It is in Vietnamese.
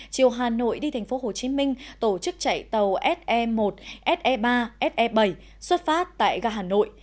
chiều hà nội đi tp hcm tổ chức chạy tàu se một se ba se bảy xuất phát tại ga hà nội